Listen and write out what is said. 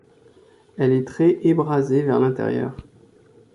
Elle est très ébrasée vers l’intérieur.